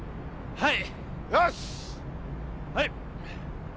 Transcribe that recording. はい！